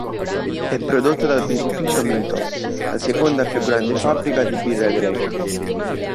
È prodotta dal birrificio Mythos, la seconda più grande fabbrica di birra greca.